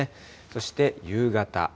そして夕方。